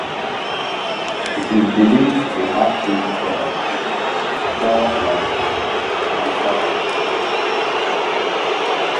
It is believed to have thick hairy fur like the Sasquatch.